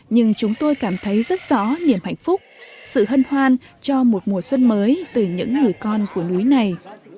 nhưng chúng tôi cảm thấy rất rõ niềm hạnh phúc sự hân hoan cho một mùa xuân mới từ những người con của núi này